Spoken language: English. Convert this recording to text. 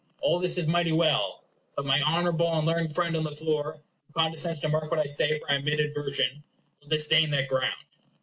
All this is mighty well. But my honorable and learned friend on the floor, who condescends to mark what I say for animadversion, will disdain that ground.